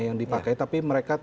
yang dipakai tapi mereka